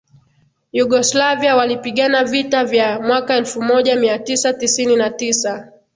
yugoslavia walipigana vita vya mwaka elfu moja mia tisa tisini na tisa